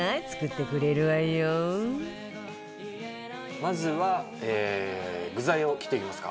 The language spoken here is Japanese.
まずは具材を切っていきますか。